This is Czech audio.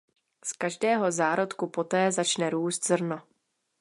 Z každého zárodku poté začne růst zrno.